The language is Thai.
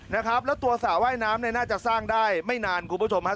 นะครับแล้วตัวสระว่ายน้ำเนี่ยน่าจะสร้างได้ไม่นานคุณผู้ชมฮะ